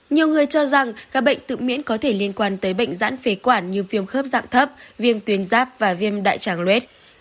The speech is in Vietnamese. nhiều người cho rằng các bệnh tự miễn có thể liên quan tới bệnh giãn phế quản như viêm khớp dạng thấp viêm tuyến giáp và viêm đại tràng luet